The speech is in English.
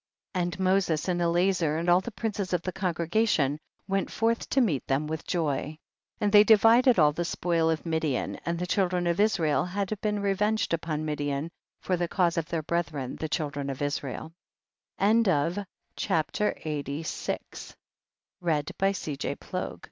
11. And Moses and Elazer and all the princes of the congregation went forth to meet them with joy. 12. And they divided all the spoil of Midian, and the children of Israel had been revenged upon Midian for the cause of their brethren the chil dren of Israe